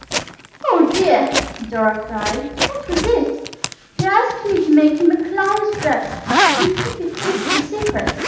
"Oh dear!" Dora cried, "that was it. He asked me to make him a clown's dress and keep it deeply secret.